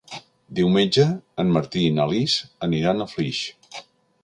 Diumenge en Martí i na Lis aniran a Flix.